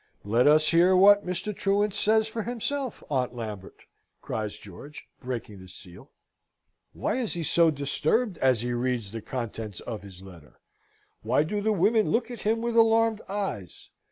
"Let us hear what Mr. Truant says for himself, Aunt Lambert!" cries George, breaking the seal. Why is he so disturbed, as he reads the contents of his letter? Why do the women look at him with alarmed eyes?